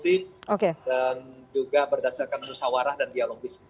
dan juga berdasarkan musawarah dan dialogis